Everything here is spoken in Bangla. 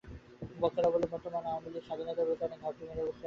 বক্তারা বলেন বর্তমান আওয়ামী লীগে স্বাধীনতাবিরোধী অনেকে ঘাপটি মেরে বসে আছে।